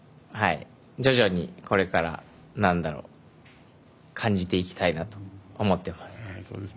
徐々にこれから感じていきたいなと思っています。